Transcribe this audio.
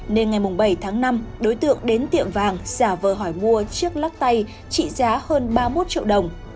nên ngày bảy tháng năm đối tượng đến tiệm vàng giả vờ hỏi mua chiếc lắc tay trị giá hơn ba mươi một triệu đồng